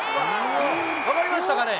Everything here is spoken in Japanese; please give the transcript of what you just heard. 分かりましたかね？